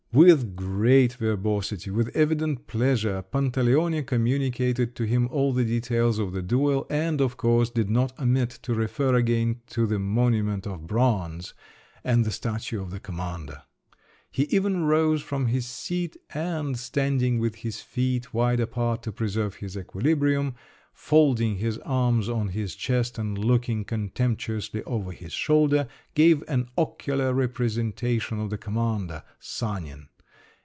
With great verbosity, with evident pleasure, Pantaleone communicated to him all the details of the duel, and, of course, did not omit to refer again to the monument of bronze and the statue of the commander. He even rose from his seat and, standing with his feet wide apart to preserve his equilibrium, folding his arm on his chest and looking contemptuously over his shoulder, gave an ocular representation of the commander—Sanin!